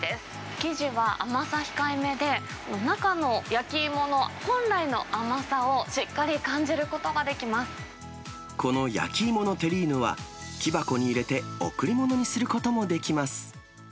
生地は甘さ控えめで、中の焼き芋の本来の甘さをしっかり感じるここの焼き芋のテリーヌは、木箱に入れて、贈り物にすることもできます。